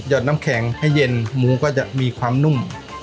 อดน้ำแข็งให้เย็นหมูก็จะมีความนุ่ม